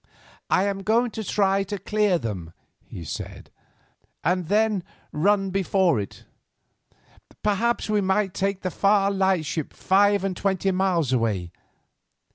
"I am going to try to clear them," he said, "and then run before it. Perhaps we might make the Far Lightship five and twenty miles away.